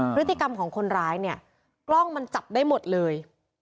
พฤติกรรมของคนร้ายเนี่ยกล้องมันจับได้หมดเลย